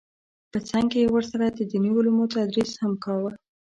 په څنګ کې یې ورسره د دیني علومو تدریس هم کاوه